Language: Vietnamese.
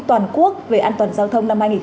toàn quốc về an toàn giao thông